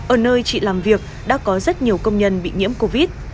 ở nơi chị làm việc đã có rất nhiều công nhân bị nhiễm covid